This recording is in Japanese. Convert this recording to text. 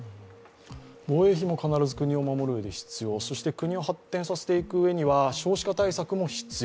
防衛費も必ず国を守るうえで必要、国を発展させていくには少子化対策も必要。